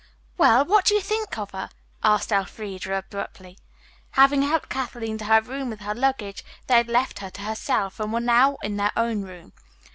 "Well, what do you think of her?" asked Elfreda abruptly. Having helped Kathleen to her room with her luggage they had left her to herself and were now in their own room.